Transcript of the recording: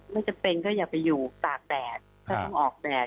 ไม่จำเป็นก็อย่าไปอยู่ตากแดดก็ต้องออกแดด